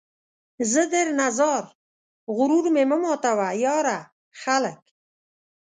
زه درنه ځار ، غرور مې مه ماتوه ، یاره ! خلک